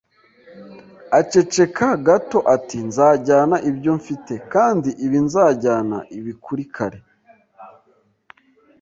Aceceka gato ati: “Nzajyana ibyo mfite.” “Kandi ibi nzajyana ibi kuri kare